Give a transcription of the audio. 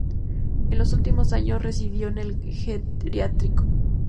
En sus últimos años residió en un geriátrico.